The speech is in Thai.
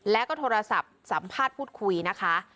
แล้วก็โทรศัพท์สัมภาษณ์พูดคุยนะคะ